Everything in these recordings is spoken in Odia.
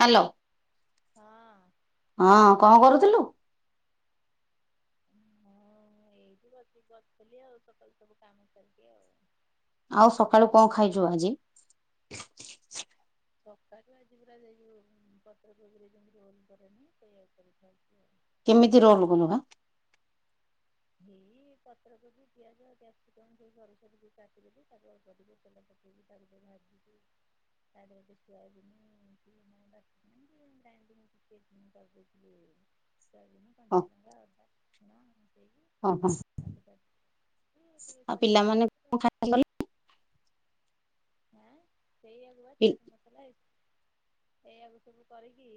ହାଲୋ ହଁ ହଁ କଣ କରୁଥୁଲୁ ମୁଁ ଏଇଠି ବସିକି ଗପୁଥିଲି ଆଉ ସକାଳୁ ସବୁ କାମ ସାରିକି ଆଉ ଆଉ ସକାଳୁ ଆଜି କଣ ବର୍ଷା ଖାଇଛୁ ଆଜି ସକାଳୁ ଆଜି ପୁରା ଯୋଉ ପତ୍ର ପରେ ଯ ରୋଲ କରେନି ସେଇଆକୁ କରିକି ଖାଇଛି ଆଉ କେମିତି ରୋଲ କଲୁ ମ ହେଇ ପତ୍ରକୋବି ପିଆଜ କ୍ୟାପସିକମ ଦେଇକି ସେ ସରୁ ସବୁ କାଟିଦେଲି ତାକୁ ଅଳ୍ପ ଟିକେ ତେଲ ପକେଇକି ତା ପରେ ଭାଜିକି [inaudible] ତା ଦେହରେ ଟିକେ ଶୋଇୟାବିନୀ କି ଟିକେ ଗ୍ରାଇଣ୍ଡିଂ କରିଦେଇଥିଲି ଶୋଇୟାବିନୀ ହଁ କଞ୍ଚା ଲଙ୍କା ଅଦା ରସୁଣ ଦେଇକି ହଁ ହଁ ତାକୁ ତା ଆଉ ଟିକେ ପିଲାମାନେ ଶୋଇୟା କଣ ସଶ ଖାଇ ଗଲେ ଆଁ ସେଇଆଗୁ ବା ପି- ଚାଟ ମସଲା ଏଇ ଏଇଆକୁ ସବୁ କରିକି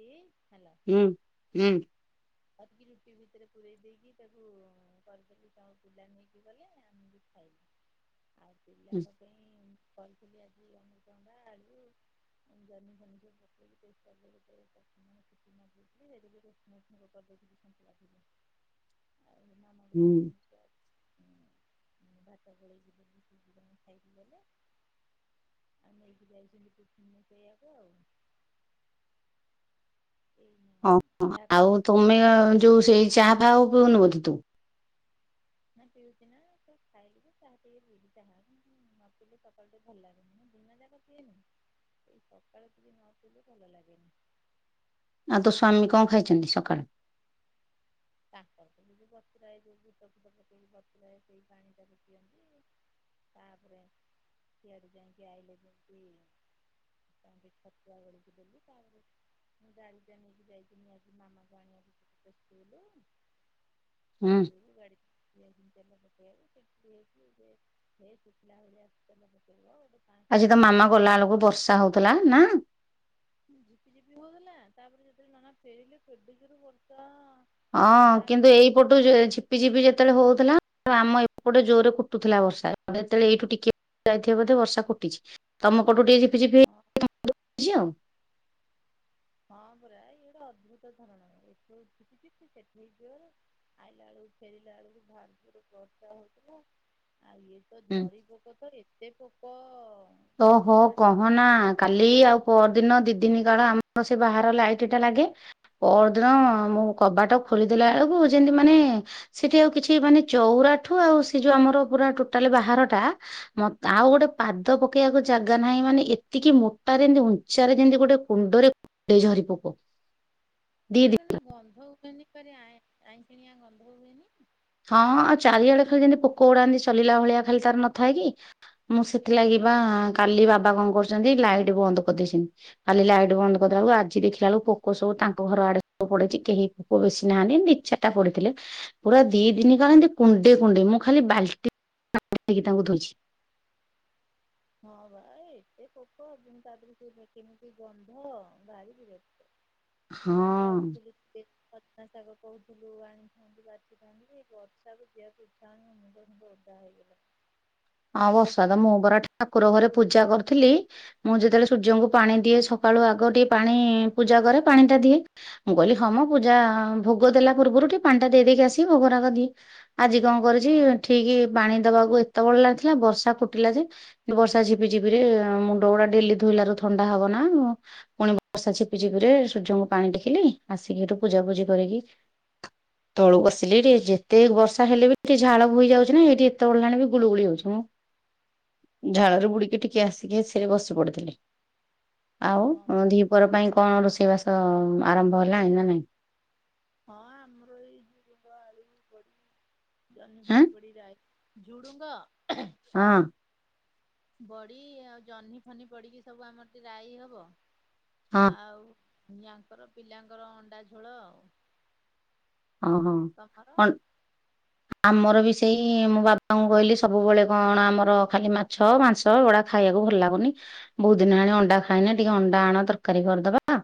ହେଲା ହୁଁ ହୁଁ କରିକି ରୁଟି ଭିତରେ ପୂରେଇ ଦେଇକି ତାକୁ କରିଦେଲି ତାଙ୍କ ପୁଲା ନେଇକି ଗଲେ ଆମେ ବି ଖାଇଲୁ [inaudible] ଆଉ ହୁଁ ପିଲାଙ୍କ ପାଇଁ କରିଥିଲି ଆଜି ଅମୃତଭଣ୍ଡା ଆଳୁ ଯହ୍ନି ଫହ୍ନି ଟିକେ ପକେଇକି [inaudible] [unintelligible] ହୁଁ ହୁଁ, ଭାତ ଗୋଳେଇକି ଦେଲି ସେ ଦି ଜଣ ଖାଇକି ଗଲେ। ଆଉ ନେଇକି ଯାଇଛନ୍ତି ଟିଫିନ୍ ରେ ସେୟାକୁ ଆଉ। ଏଇ [inaudible] ଓ ହୋ ଯାହା ଆଉ ଖାଇବା ତୁମେ ଯୋଉ ସେଇ ଚା ଫାହା ଆଉ ପିଉନୁ ବୋଧେ ତୁ? ନା ପିଉଚି ନା ତ ଖାଇକି ଚାହା ଟିକେ ପିଇବି ଚାହା ନ ପିଇଲେ ସକାଳୁ ଟିକେ ଭଲ ଲାଗେନି ଦିନ ଯାକ ପିଏନି, ଏଇ ସକାଳେ ଟିକେ ନ ପିଇଲେ ଭଲ ଲାଗେନି। ଆଉ ତୋ ସ୍ଵାମୀ କଁ ଖାଇଛନ୍ତି ସକାଳ? ତାଙ୍କର ଯଉ ବତୁରାଏ ଯୋଉ ବୁଟ ଫୁଟ ପକେଇକି ବତୁରାଏ ସେଇ ପାଣି ଟାକୁ ପିଅନ୍ତି। ତାପ୍ ରେ ସିଆଡୁ ଯାଇଁକି ଆଇଲେ ଯେମତି ତାଙ୍କୁ ଟିକେ ଛତୁଆ ଗୋଳିକି ଦେଲି, ତାପରେ ମୁଁ ଗାଡି ଟା ନେଇକି ଯାଇଥିନି ଆଜି ମାମାକୁ ଆଣିବାକୁ ତା ସ୍କୁଲୁ। ହୁଁ ସେଇ ଯୋଗୁ ଗାଡି ଯାଇଥିଲି ତେଲ ପକେଇବାକୁ [unintelligible] ହେ ଫୁଟିଲା ଭଳିଆ ତେଲ ପକେଇବ ଆଉ। ଆଜି ତ ମାମା ଗଲା ବେଳୁକୁ ବର୍ଷା ହଉଥିଲା ନା? ଝିପି ଝିପି ହଉଥିଲା ତାପରେ ଯେତେବେଳେ ନନା ଫେରିଲେ କେଡେ ଜୋରେ ବର୍ଷା। ହଁ କିନ୍ତୁ ତାପରେ ଏଇପଟୁ ଝି ଝିପି ଝିପି ଯେତେବେଳେ ହଉଥିଲା ଆମ ଏପଟେ ଜୋର୍ ରେ କୁଟୁଥିଲା ବର୍ଷା ଯେତେବେଳେ ଏଇଠୁ ଟିକେ ଯାଇଥିବେ ବୋଧେ ବର୍ଷା କୁଟିଚି। ତମ ପଟୁ ଟିକେ ଝିପିଝିପିଇ ହଁ ହେଇ [inaudible] ଯାଇଛି ଆଉ। ହଁ ପରା ଇଏ ଗୋଟେ ଅଭୁତ ଧରଣର ଏଠୁ ଉଠୁକି ଯିବି ସେଠିକି ଜୋରେ ଆଇଲା ବେଳକୁ ଫେରିଲା ବେଳକୁ ଭାରି ଜୋରେ ବର୍ଷା ହଉଥିଲା। ଆଉ ଇଏ ତ ହୁଁ ଝରି ପୋକ ତ ଏତେ ପୋକ ମାନେ ଓହୋ ରାତିରେ କହନା କାଲି ଆଉ ପଅର ଦିନ ଦି ଦିନି କାଳ ଆମର ସେ ବାହାର ଲାଇଟ୍ ଟା ଲାଗେ। ପଅରଦିନ ଆଁ ମୁଁ କବାଟ ଖୋଲିଦେଲା ବେଳକୁ ଯେମତି ମାନେ ସେଠି ଆଉ କିଛି ମାନେ ଚଉରାଠୁ ଆଉ ସେ ଯୋଉ ଆମର ପୁରା ଟୋଟାଲ୍‌ ବାହାର ଟା ମତେ ଆଉ ଗୋଟେ ପାଦ୍ ପାଦ ପକେଇଆକୁ ଜାଗା ନାହିଁ ମାନେ ଏତିକି ମୋଟାରେ ଯେମିତି ଉଞ୍ଚାରେ ଯେମତି ଗୋଟେ କୁଣ୍ଡରେ ଏଇ ଝରି ପୋକ। ଦି ସିଏ ଦି କେମିତିଆ ଗନ୍ଧ ହୁଏନି ଖାଲି ଆଇଁ ଆଇଁସିଣିଆଁ ଗନ୍ଧ ହୁଏନି। ହଁ ଆଉ ଚାରିଆଡେ ଖାଲି ଯେମିତି ପୋକ ଗୁଡା ଏମିତି ସଲିଲା ଭଳିଆ ଖାଲି ତାର ନଥାଏ କି? ମୁଁ ସେଥିଲାଗି ବା କାଲି ବାବା କଣ କରିଛନ୍ତି ଲାଇଟ୍ ବନ୍ଦ କରିଦେଇଛନ୍ତି। କାଲି ଲାଇଟ୍ ବନ୍ଦ କରିଦେଲାବେଳୁକୁ ଆଜି ଦେଖିଲା ବେଳୁକୁ ପୋକ ସବୁ ତାଙ୍କ ଘର ଆଡେ ସବୁ ପଡିଛି କେହି ପୁଅ ବେଶି ନାହାନ୍ତି ଦି ଚାରଟା ପଡିଥିଲେ। ପୁରା ଦି ଦିନି କାଳ ଏମତି କୁଣ୍ଡେ କୁଣ୍ଡେ ମୁଁ ଖାଲି ବାଲ୍ଟି ପାଣି ଆଣିକି ତାଙ୍କୁ ଧୋଇଛି। ହଁ ବା ଏତେ ପୋକ ଯେମତି ତାଧିରୁ ମେଞ୍ଚେ ମେଞ୍ଚେ ଗନ୍ଧ ଭାରି ବିରକ୍ତ। [inaudible] ଆଜି ହଁ। ଭାବିଥିଲି କେ ସଜନା ଶାଗ କହୁଥିଲୁ ଆଣିଥାନ୍ତି ବାଛିଥାନ୍ତି ବର୍ଷାକୁ ଯିବା କୁ ଇଚ୍ଛା ହଉନି ମୋ ମୁଣ୍ଡ ଫୁଣ୍ଡ ଓଦ୍ ଦା ହେଇଗଲା। ଆଉ ବର୍ଷା ତ ଛାଡିବ ମୁଁ ବୋଲି ପରା ଠାକୁର ଘରେ ପୂଜା କରୁଥିଲି ମୁଁ ଯେତେବେଳେ ସୂର୍ଯ୍ୟଙ୍କୁ ପାଣି ଦିଏ ସକ୍ କାଳୁ ଆଗ ଟିକେ ପାଣି ପୂଜା କରେ। ପାଣି ଟା ଦିଏ ମୁଁ କହିଲି ହଁ ମ ପୂଜା ଭୋଗ ଦେଲା ପୂର୍ବରୁ ଟିକେ ପାଣି ଟା ଦେଇ ଦେଇକି ଆସିକି ଭୋଗରାଗ ଦିଏ। ଆଜି କଣ କରିଚି ଠିକି ପାଣି ଦବାକୁ ଏତେବଳ ଲାଗିଥିଲା ବର୍ଷା କୁଟିଲା ଯେ ବର୍ଷା ଝିପି ଝିପିରେ ମୁଣ୍ଡ ଗୁଡା ଡେଲି ଧୋଇଲାରୁ ଥଣ୍ଡା ହବ ନା ଆଉ? ପୁଣି ବର୍ଷା ଝିପି ଝିପି ରେ ସୂର୍ଯ୍ୟଙ୍କୁ ପାଣି ଟେକିଲି ଆସିକି ଏଠୁ ପୂଜାପୂଜି କରିକି [inaudible] ତଳୁକୁ ଆସିଲି ହାରି ଯେତେ ବର୍ଷା ହେଲେ ବି ଟିକେ ଝାଳ ଭୋଇଯାଉଚି ନା ଏଠି ଏତେ ବଳହେଲାଣି ବି ଗୁଗୁଳି ହଉଛି। ହୁଁ, ଝାଳରୁ ବୁଡିକି ଟିକେ ଆସିକି ଏସିିରେ ବସି ପଡିଥିଲି। ଆଉ ହଁ ଧିପଅର ପାଇଁ କଣ ରୋଷେଇବାସ ଆରମ୍ଭ ହେଲାଣି ନା ନାଇଁ? ହଁ ଆମର ଏଇ ଝୁଡୁଙ୍ଗ ଆଳୁ ପଡି ଜହ୍ନି ଆଁ ଫହ୍ନି ପୋଡି ଯାଏ। ଝୁଡ଼ୁଙ୍ଗ? ହଁ। ବଡି ଆଉ ଜହ୍ନି ଫହ୍ନି ପଡ଼ିକି ସବୁ ଆମର ଟିକେ ରାଇ ହବ। ହଁ ଆଉ ୟାଙ୍କର ପିଲାଙ୍କର ଅଣ୍ଡା ଝୋଳ ଆଉ। ଅଁ ହଁ। ତମର? [inaudible] ଆମର ବି ସେଇ ମୁଁ ବାବାଙ୍କୁ କହିଲି ସବୁବେଳେ କଣ ଆମର ଖାଲି ମାଛ ମାଂସ ଗଡା ଖାଇବାକୁ ଭଲ ଲାଗୁନି। ବହୁତ୍‌ ଦିନି ହେଆଣି ଅଣ୍ଡା ଖାଇନେ ଟିକେ ଅଣ୍ଡା ଆଣ ତରକାରୀ କରିଦବା।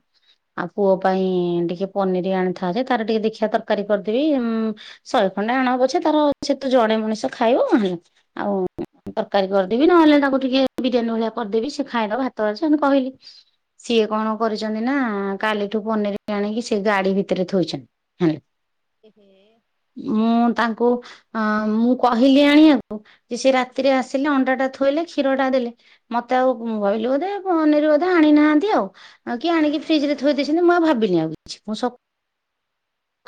ଆଉ ପୁଅ ପାଇଁ ଟିକେ ପନିର ଆଣିଥା ଯେ ତାର ଟିକେ ଦେଖିବା ତାର କାରୀ କରିଦେବି, ଉଁ ଶହେ ଖଣ୍ଡେ ଆଣ ପଛେ ତାର ସେ ତ ଜଣେ ମଣିଷ ଖାଇବ ଆହିଁ ଆଉ ତରକାରୀ କରିଦେବି ନହେଲେ ତାକୁ ଟିକେ ବିରିୟାନୀ ଭଳିଆ କରିଦେବି ସେ ଖାଇଦବ ଭାତ ଅଛି ଏମତି କହିଲି। ସିଏ କଣ କରିଚନ୍ତି ନା କାଲିଠୁ ପନିର ଆଣିକି ସେ ଗାଡି ଭିତରେ ଥୋଇଚନ୍ତି। ହୁଁ। ଏ ହେ। ମୁଁ ତାଙ୍କୁ ଅ ମୁଁ କହିଲି ଆଣିବାକୁ ସେ ରାତିରେ ଆସିଲେ ଅଣ୍ଡା ଟା ଥୋଇଲେ କ୍ଷୀରଟା ଦେଲେ ମତେ ଆଉ ମୁଁ କହିଲି ବୋଧେ ପନିରି ବୋଧେ ଆଣିନାହାନ୍ତି ଆଉ। ଆଉ କି ଆଣିକି ଫ୍ରିଜ ରେ ଥୋଇ ଦେଇଛନ୍ତି ମୁଁ ଆଉ ଭାବିନି ଆଉ କିଛି ମୁଁ ସ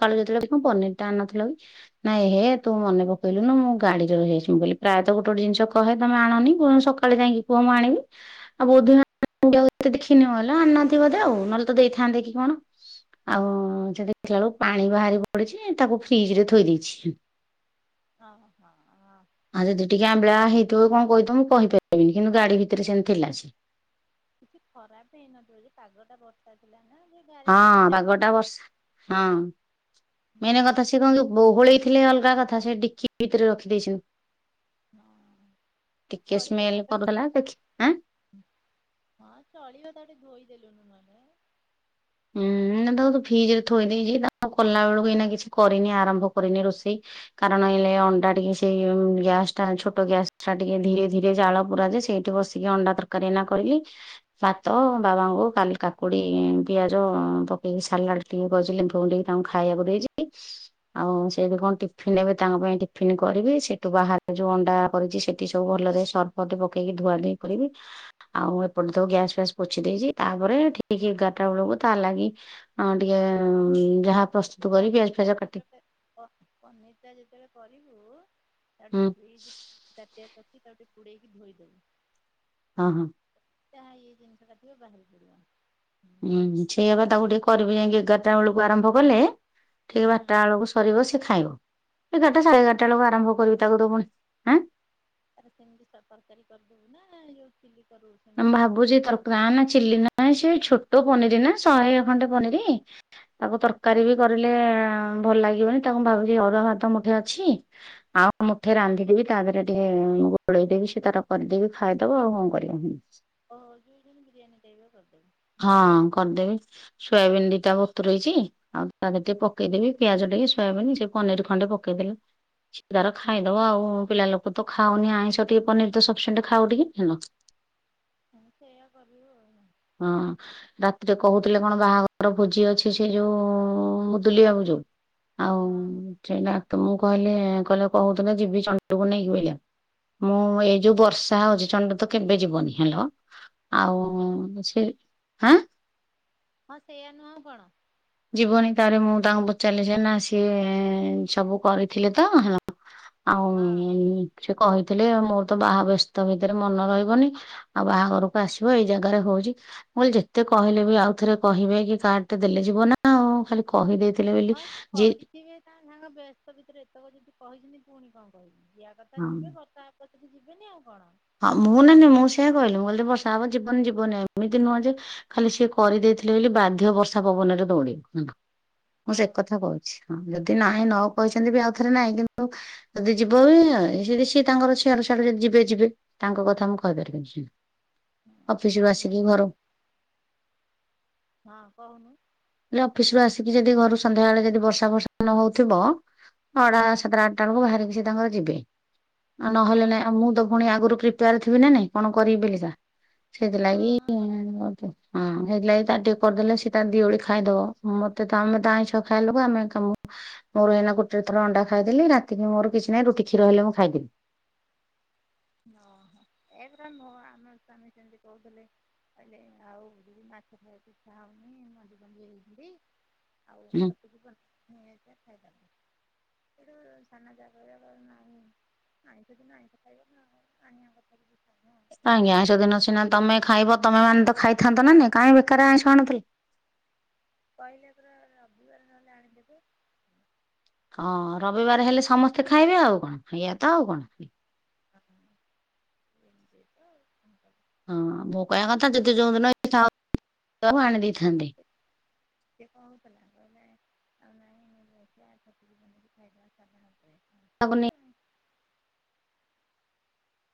କାଳୁ ଯେତେବେଳେ [unintelligible] ପନିର ଟା ଅଣିନଥିଲ କି? ନାଇଁ ହେ ତୁ ମନେ ପକେଇଲୁନୁ ମୁଁ ଗାଡିରେ ରହିଯାଇଛି ମୁୁ ବୋଲି ପ୍ରାୟ ତ ଗୋଟେ ଗୋଟେ ଜିନସ କହେ ତମେ ଆଣନି କୋଉ ଦିନ ସକା ତଳେ ଯାଇକି ପୁଅ ମୁ ଆଣିବି। ଆଉ ବୋଧ [unintelligible] କ୍ଷଣିବ ହେଲା ଆଣି ନାହାନ୍ତି ବୋଧେ ଆଉ ନହେଲେ ତ ଦେଇଥାନ୍ତେ କି କଣ। ଆଉ ଯଦି [unintelligible] ବଳକୁ ପାଣି ବାହାରି ପଡିଛି ତାକୁ ଫ୍ରିଜ ରେ ଥୋଇ ଦେଇଛି। ଅ ହୋ ଅ। ଆଉ ଯଦି ଟିକେ ଆମ୍ବିଳା ହେଇଥିବ କଣ କହିଥିବ ମୁଁ କହିପାରିବିନି କିନ୍ତୁ ଗାଡି ଭିତରେ ସେମିତି ଥିଲା ସେ। କିଛି ଖରାପ ହେଇନଥିବ ଯେ ପାଗ ଟା ବର୍ଷା ଥିଲା ନା ଗାଡି ହଁ ଗାଡିଟା ଯଦି ପାଗଟା ଖରାପ ବର୍ଷା ହଁ। ହୁଁ ମେନ କଥା ସି କଣ ବହୁଳେଇ ଥିଲେ ଅଲଗା କଥା ସେ ଡିକି ଭିତରେ ରଖି ଦେଇଛନ୍ତି। ହଁ। ହେଲେ ଟିକେ ଚଳିବ ସ୍ମେଲ କରୁଥିଲା ତାଙ୍କ ଦେଖିଁ ଆଁ ହଁ ଚଳିିବ ତାକୁ ଟିକେ ଧୋଇ ଦେଲୁନୁ ନହେଲେ। ହୁଁ ନା ତାକୁ ଫ୍ରିଜ ରେ ଥୋଇ ଦେଇେଇଛି ତା କଲା ବେଳକୁ ଏଇନା କିଛି କରିନି ଆରମ୍ଭ କରିନି ରୋଷେଇ। କାରଣ ହେଲେ ଅଣ୍ଡା ଟିକେ ସେଇ ଗ୍ୟାସ ଟା ଛୋଟ ଗ୍ୟାସ ଟା ଟିକେ ଧୀରେ ଧୀରେ ଜାଳ ପୁର ଯେ ସେଇଠି ବସି ଟିକେ ଅଣ୍ଡା ତରକାରୀ ଏଇନା କରିକି ସାତ ବାବାଙ୍କୁ କାଲି କାକୁଡି ପିଆଜ ପକେଇକି ସାଲାଡ ଟିକେ କରିଛି ଲେମ୍ଵୁ ଫେମ୍ବୁ ଦେଇକି ତାଙ୍କୁ ଖାଇବାକୁ ଦେଇକି ଆଉ ସେଇଠି କଣ ଟିଫିନ ନେବେ ତାଙ୍କ ପାଇଁ ଟିଫନ୍ କରିବି ସେଠୁ ବାହାରେ ଯୋଉ ଅଣ୍ଡା କରିଛି ସେ ଠି ସବୁ ଭଲରେ ସର୍ପ ଫର୍ପ ପକେଇକି ଧୁଆ ଧୁଇ କରିବି ଆଉ ଏପଟେ ତ ଗ୍ୟାସ ଫ୍ୟାସ୍ ପୋଛି ଦେଇଛି ତାପରେ ଠିକ ଏଗାର ଟା ବେଳକୁ ତା ଲାଗି ଟିକେ ଯାହା ପ୍ରସ୍ତୁତ ଏ କରି ପନ ପିଆଜ ଫିଆଜ କାଟି [unintelligible] ପନିର ଟା ଯେତେବେଳେ କରିବୁ ହୁଁ ତାଟେ ଫ୍ରିଜ ତାଟିଆ ରେ ରଖି ତାକୁ ଟିକେ ପୁଡେଇକି ଧୋଇଦବୁ। ହଁ ହଁ। ଯହା ଇଏ ଜିନିଷ ଟା ଥିବ ବାହାରି ପଡିବ। ହୁଁ ସେଇଆପ ତାକୁ ଟିକେ କରିବି ଯାଇକି ଏଗାରଟା ବେଳକୁ ଆରମ୍ଭ କଲେ ଠିକ ହୁଁ ବାରଟା ବେଳକୁ ସରିବ ସେ ଖାଇବ ଏଗାରଟା ସାଢେ ଏଗାରଟା ବେଳକୁ ଆରମ୍ଭ କରିବି ତାକୁ ତ ପୁଣି ଆଁ ତାର ସେମିତି ତରକାରୀ କରିଦବୁ ନା ଯୋଉ ଚିଲି କରୁ ମୁଁ ସେମିତିଆ କରିବୁ ଭାବୁଛି ତରକାର ନା ଚିଲି ନା ସେ ଛୋଟ ପନିର ନା ଶହେ ଖଣ୍ଡେ ପନିର। ତାକୁ ତରକାରୀ ବି କରିଲେ ଭଲ ଲାଗିବନି ତାକୁ ମୁଁ ଭାବୁଛି ଅରୁଆ ଭାତ ମୁଠେ ଅଛି ଆଉ ମୁଠେ ରାନ୍ଧିଦେବି ତା ଦେହରେ ଟିକେ ଗୋଳେଇଦେବି ସେ ତାର କରିଦେବି ଖାଇଦବ ଆଉ କଣ କରିବା। [unintelligible] ଓହୋ ଯୋଉ [unintelligible] ବିରିୟାନୀ ଭେଳିଆ କରିଦବୁ। ହଁ କରିଦେବି ସୋୟାବିିନ ଦିଟା ବତୁରେଇଚି ଆଉ ତା ଦେହରେ ଟିକେ ପକେଇଦେବି ପିଆଜ ଟିକେ ଶୋୟାବିନି ସେ ପନିର ଖଣ୍ଡେ ପକେଇଦେଲେ ସେ ତାର ଖାଇଦବ ଆଉ ପିଲା ଲୋକ ତ ଖାଉନି ଆଇଁଷ ଟିକେ ପନିର ତ ସଫିସେଣ୍ଡ ଖାଉ ଟିକେ ହେଲା। ହଁ ସେଇୟା କରିବୁ ଆଉ। ହଁ। ରାତିରେ କହୁଥିଲେ କଣ ବାହାଘର ଭୋଜି ଅଛି ସେ ଯୋଉ ମୁଦୁଲିିବାବୁ ଯୋଉ। ହଁ ହଁ। ସେଇ ଡାକ୍ତ ମୁଁ କହିଲେ କହିଲେ କହୁଥିଲ ଯିବି ଚଣ୍ଡକୁ ନେଇକି [unintelligible] ମୁଁ ଏଇ ଯୋଉ ବର୍ଷା ହଉଛି ଚଣ୍ଡ ତ କେବେ ଯିବନି ହେଲୋ। ହଁ ହଁ ଆଉ ସେ ହାଁ ହଁ ସେଇୟା ନୁହଁ ଆଉ କଣ? ଯିବନି ତାରେ ମୁଁ ତାଙ୍କୁ ପଚାରିଲି ସେ ନା ସିଏ ସବୁ କରିଥିଲେ ତ ହଁ ଆଉ ହଁ। ସେ କହିଥିଲେ ମୋର ତ ବାହା ବ୍ୟସ୍ତ ଭିତରେ ମନ ରହିବନି। ଆଉ ବାହାଘରକୁ ଆସିବ ଏଇ ଜାଗାରେ ହଉଚି। ମୁଁ କହିଲି ଯେତେ କହିଲେ ବି ଆଉ ଥରେ କହିବେ କି କାର୍ଡ ଟେ ଦେଲେ ଯିବ ନା। ହଁ ହାଲୋ। କହିଦେଇଥିଲେ। ବୋଲି ହଁ ସେ ଯେ କହିଥିବେ ତା ନାଙ୍ଗ ବ୍ୟସ୍ତ ଭିତରେ ଏତକ ଯେଦି କହିଛନ୍ତି ପୁଣି କଣ କହିବି ଯିବା କଥା ହଁ ଯିବେ କଥା କତକି ଯିବେନି ଆଉ କଣ। ହଁ ମୁଁ ନାଇ ନାଇ ମୁଁ ସେଇଆ କହିଲି ମୁ କହିଲି ବର୍ଷା ହବ ଯିବନି ଯିବନି ଏମିତି ନୁହଁ ଯେ ଖାଲି ସିଏ କରିଦେଇଥିଲେ ବୋଲି ବାଧ୍ୟ ବର୍ଷା ପବନରେ ଦୌଡିବ ମୁଁ ସେ ହଁ କଥା କହୁଛି। ବୋଧେ ନାହିଁ ନ କହିଛନ୍ତି ବି ଆଉଥରେ ନାହିଁ କିନ୍ତୁ ଯଦି ଯିବ ହ ସେ ସିଏ ତାଙ୍କର ସିଆଡୁ ସିଆଡୁ ଯଦି ଯିବେ ଯିବେ। ତାଙ୍କ କଥା ମୁଁ କହିପାରିବିନି ହି ଅଫିସ୍ ରୁ ଆମ ଆସିକି ଘର ହଁ ହଁ କହୁନୁ। ଏଲେ ଅଫିସ ରୁ ଆସିକି ଯେଦି ଘରୁ ସନ୍ଧ୍ୟା ବେଳେ ଯେଦି ବର୍ଷା ବର୍ଷା ନ ହଉଥିବ ଅଡା ହଁ ସାତଟାଆ ଟା ବଳକୁ ବାହାରିକି ସେ ତାଙ୍କର ଯିବେ ହଁ ନହେଲେ ନାଇ ମୁଁ ତ ପୁଣି ଆଗୁରୁ କ୍ରିପ୍ ପେୟାର୍ ଥିବି ନା ନାଇଁ କଣ କରିବି ବେଲିିକା ସେଇଥିଲାଗି ହଁ ହୁଁ ହେଥିଲାଗି ତାର୍ ଟିକେ କରିଦେଲେ ସେ ତାର୍ ଦିଓଳି ଖାଇଦବ ମତେ ତ ଆମେ ତ ଆଇଁଷ ଖାଇବା ଲୋକ ଆମେ କାମ ମୋର ଏଇନା ଗୋଟରେ ଥର ଅଣ୍ଡା ଖାଇଦେଲି ରାତିକୁ ମୋର କିଛି ନାହିଁ ରୁଟି କ୍ଷୀର ହେଲେ ମୁଁ ଖାଇଦେବି। ଓହୋ ଏପରା ନହ ଆମେ ସ୍ୱାମୀ ସେମତି କହୁଥିଲେ। ହେଲେ ଆଉ ରୁହି ମାଛ ଖାଇବାକୁ ଇଚ୍ଛା ହଉନି ମଞ୍ଜି ଫଞ୍ଜି ହେଇଯାଇଛନ୍ତି। ଆଉ ଛତୁକୁ କଣ ନେଇ ଆସିବା ଖାଇଦବା। ସେଇଠୁ ସାନ ଜାଗାରେ ରହି ନାହିଁ। ଆଇଁଷ ଦିନ ଆଇଁଷ ଖାଇବା। ଆଉ ଅନ୍ୟ କଥା ବି [unintelligible] କାଇଁକି ଆଇଁଷ ଦିନ ସିନା ତମେ ଖାଇବ ତମେ ମାନେ ତ ଖାଇଥାନ୍ତ ନା ନାଇ କାଇଁ ବେକାର ଆଇଁଷ ଆଣୁଥିଲ। କହିଲେ ପରା ରବିବାର ନହେଲେ ଆଣିଦେବେ। ହଁ ରବିବାର ହେଲେ ସମସ୍ତେ ଖାଇବେ ଆଉ କଣ ଏଇଆ ତ ଆଉ କଣ? ଆପଣ? ଏମିତି ତ ଆଉ କଣ କଥା। ହଁ ମୋ କହିଆ କଥା ଯଦି ଯୋଉଦିନ [unintelligible] ଆଣି ଦେଇଥାନ୍ତେ। ସିଏ କହୁଥିଲା କହିଲା ଆଉ ନାଇ ଏବେ ଦେଖିଆ ଛତୁକୁ ବନେଇକି ଖାଇବା ସାଧା ଖାଇବା। ହେ ଲାଗୁନି ସେମତି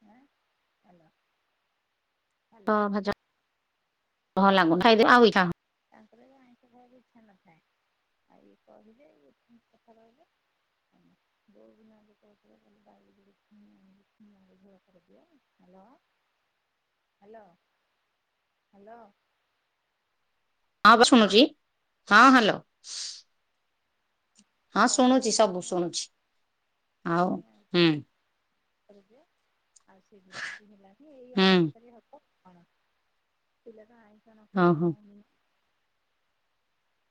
ଆଁ ହାଲୋ। ହାଲୋ ପା ଭଜା ଭଲଲାଗୁନ ଖାଇଦେ ଆଉଏଇଖା ତାଙ୍କର ବି ଆଇଁଷ ଖାଇବାକୁ ଇଚ୍ଛା ନଥାଏ। ଆଉ ଇଏ କହିବେ ଇଏ ପୁଣି କଥା ରହିବ। ଉଁ। ଯୋଉଦିନ ଯେତବେଳେ ତାଏଲେ ଡାଲି କରି ଉମ୍ ଉଁ ଦିଅ ନହଲ ହ ହ୍ୟାଲୋ ହ୍ୟାଲୋ। ହଁ ବା ଶୁଣୁଚି। ହଁ ହ୍ୟାଲୋ। [unintelligible] କରୁଚି। ସବୁ ଶୁଣୁଛି ଆଉ ହୁଁ ଆଉ ଶୀଘ୍ର ହେଲା ଯେ ଏଇ ହୁଁ ଅଣ୍ଡା ତରକାରୀ ଭାତ ଆଉଣ ପିଲାଟା ଆଇଁଷ ନ ଖାଇଲେ ଓହୋ ହଉନି।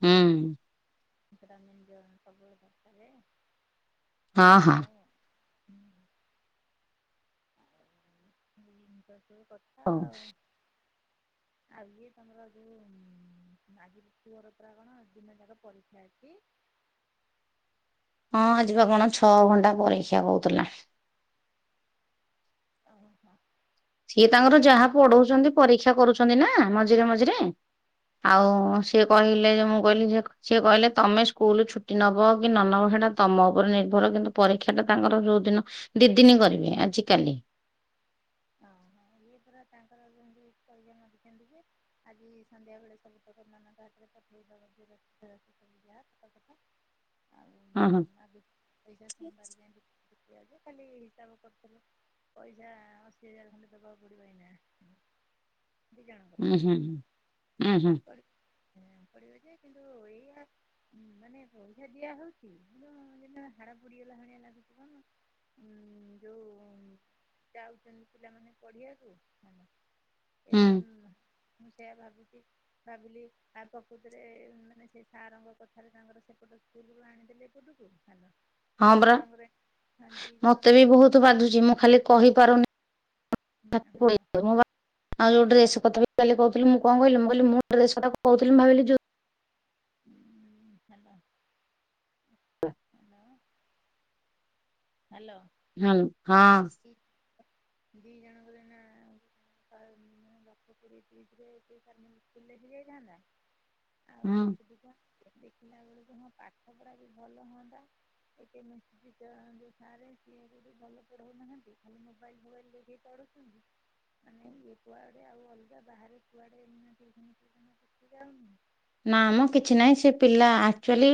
ହୁଁ। ସେଟା ଅନଲାଇନ୍ ରେ ସବୁବେଳେ ଖାଏ ହଁ ହଁ ହଉ। [unintelligible] ଏଇ ଜିନିଷ ସବୁ କଥା ଆଉ। ଆଜି ତମର ଯୋଉ ଆଜି ପୁଅର ପରା କଣ ଦିନ ଯାକ ପରୀକ୍ଷା ଅଛି। ହଁ ଆଜି ବା କଣ ଛଅ ଘଣ୍ଟା ପରୀକ୍ଷା କହୁଥିଲା। ଅହ। ସିଏ ତାଙ୍କର ଯାହା ପଢଉଛନ୍ତି ପରୀକ୍ଷା ଇଚ୍ଛା କରୁଛନ୍ତି ନା ମଝିରେ ମଝିରେ ଆଉ ସିଏ କହିଲେ ଯେ ମୁଁ କହିଲି ଯ ସିଏ କହିଲେ ତମେ ସ୍କୁଲରୁ ଛୁଟି ନେବ କି ନ ନେବ ସେଇଟା ତମ ଉପରେ ନିର୍ଭର କିନ୍ତୁ ପରୀକ୍ଷାଟା ତାଙ୍କର ଯେଉଁଦିନ ଦି ଦିନି କରିବି ଆଜିକାଲି ଓହୋ ଇଏ ପୁରା ତାଙ୍କର ଯେମିତି [unintelligible] ଦେଛନ୍ତି ଯେ ଆଜି ସନ୍ଧ୍ୟା ବେଳେ ସବୁ ପକ ନାନକ ହାତରେ ପଠେଇବା [unintelligible] ହ ଆଉ ଆଜି ପଇସା ସମବାର [unintelligible] ଯେ ଖାଲି ହିସାବ କରିୁଥିଲ ପଇସା ଅସ ଦିହଜାରେ ଖଣ୍ଡେ ଦେବାକୁ ପଡିବ ଏଇନା। ଦି ଜଣଙ୍କର ଉଁ ଉଁ ହୁଁ ପଡ଼ିବ ଯେ କିନ୍ତୁ ଏଇଆ ହୁଁ ମାନେ ପଇସା ଦିଆ ହଉଛି କିନ୍ତୁ ଯେମତି ହାଡ ପଡିଗଲା ଭଳିଆ ଲାଗୁଛି କଣ। ହଁ ଯୋଉ ଯାଉଛନ୍ତି। ପିଲାମାନେ ପଢିବାକୁ ଏ ହୁଁ ପର୍ଯ୍ୟନ୍ତ ମୁଁ ସେୟା ଭାବୁଛି। ଭାବିଲି ଆ ପ୍ରକୃତରେ ମାନେ ସେ ସାରଙ୍କ କଥାରେ ତାଙ୍କର ସେପଟ ସ୍କୁଲରୁ ଆଣି ଦେଲି ଏପଟକୁୁ ହାଲ ହଁ ବରା ମତେ ଜଣଙ୍କରେ ବି ବହୁତ ବାଧୁଛି ମୁଁ ଖାଲି କହିପାରୁନି ହାଲୋ [unintelligible] ଆଉ ଯୋଉ ଡେସ କଥା କାଲି କହୁଥିଲି ମୁ କହିଲି କହ ମୁଁ ଡ୍ରେସ କହୁଥିଲି ଭାବିଲି। ହଁ ହାଲ। ହ ହଁ। ହ୍ୟାଲୋ। ହଁ ହଁ। ଇ ଦି ଜଣଙ୍କର ଏନା [unintelligible] ଯାଇ ଯାଆନ୍ତା। ଆଉ ହୁଁ ଏଟି ଟିକା ଦେଖିଲା ବେଳକୁ ହଁ ପାଠ ପଢା ବି ଭଲ ହୁଅନ୍ତା କେମିତି ବି ଆରେ ସିଏ ଯଦି ଭଲ ପଢଉନାହାନ୍ତି ଖାଲି ମୋବାଇଲ ଫୋବାଇଲ ଦେଖିକି ପଢୁଛନ୍ତି। ମାନେ ଇଏ କୁଆଡେ ଆଉ ଅଲଗା ବାହାରେ କୁଆଡେ ଏମିତି [unintelligible] [unintelligible] ନା ଆମ କିଛି ନାହିଁ ସେ ପିଲା ଆଚୁଆଲି